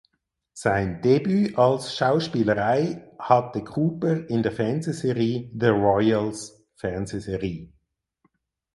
Sein Debut als Schauspielerei hatte Cooper in der Fernsehserie "The Royals (Fernsehserie)".